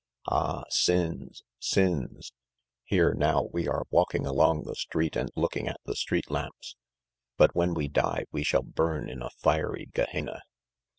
Ah, sins, sins! Here now we are walking along the street and looking at the street lamps, but when we die, we shall burn in a fiery Gehenna.